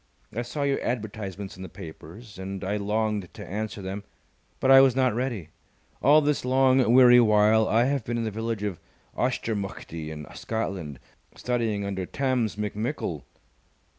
I saw your advertisements in the papers, and I longed to answer them, but I was not ready. All this long, weary while I have been in the village of Auchtermuchtie, in Scotland, studying under Tamms McMickle."